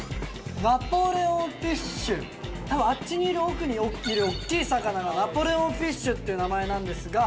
「ナポレオンフィッシュ」たぶん奥にいるおっきい魚がナポレオンフィッシュって名前なんですが